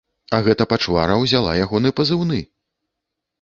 А гэта пачвара ўзяла ягоны пазыўны!